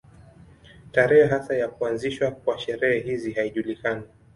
Tarehe hasa ya kuanzishwa kwa sherehe hizi haijulikani.